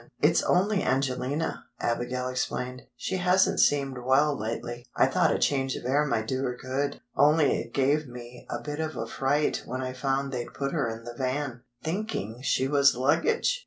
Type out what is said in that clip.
"It's only Angelina," Abigail explained. "She hasn't seemed well lately. I thought a change of air might do her good. Only it gave me a bit of a fright when I found they'd put her in the van, thinking she was luggage!"